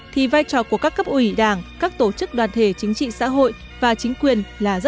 thì vai trò của các cấp ủy đảng các tổ chức đoàn thể chính trị xã hội và chính quyền là rất rõ